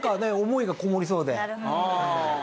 思いがこもりそうで。